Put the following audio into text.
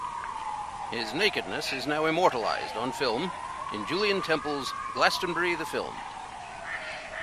His nakedness is now immortalized on film in Julien Temple's "Glastonbury The Film".